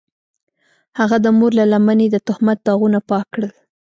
هغه د مور له لمنې د تهمت داغونه پاک کړل.